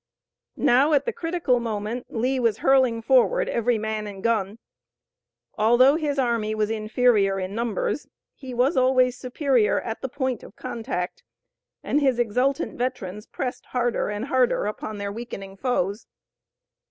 Now at the critical moment, Lee was hurling forward every man and gun. Although his army was inferior in numbers he was always superior at the point of contact, and his exultant veterans pressed harder and harder upon their weakening foes.